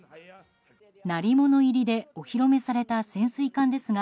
鳴り物入りでお披露目された潜水艦ですが